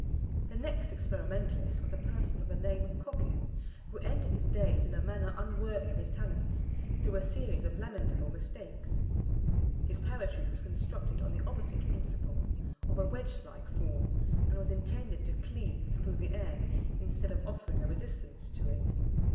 The next experimentalist was a person of the name of Cocking, who ended his days in a manner unworthy his talents, through a series of lamentable mistakes. His Parachute was constructed on the opposite principle, of a wedge like form, and was intended to cleave through the air, instead of offering a resistance to it.